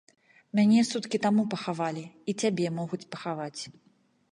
Мяне суткі таму пахавалі, і цябе могуць пахаваць.